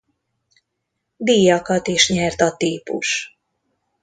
Díjakat is nyert a típus.